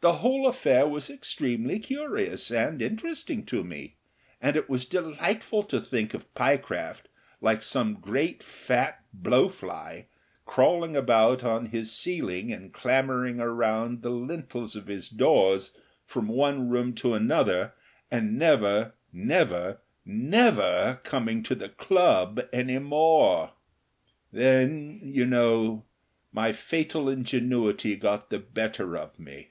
The whole affair was extremely curious and interesting to me, and it was delightful to think of Pyecraft like some great, fat blow fly, crawling about on his ceiling and clambering round the lintels of his doors from one room to another, and never, never, never coming to the club any more.... Then, you know, my fatal ingenuity got the better of me.